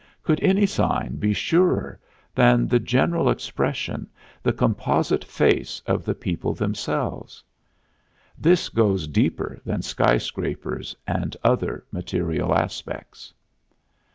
Could any sign be surer than the general expression, the composite face of the people themselves? This goes deeper than skyscrapers and other material aspects.